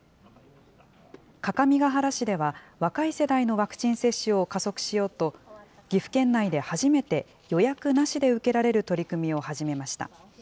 各務原市では、若い世代のワクチン接種を加速しようと、岐阜県内で初めて予約なしで受けられる取り組みを始めました。